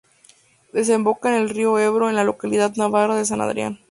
Desemboca en el río Ebro en la localidad navarra de San Adrián.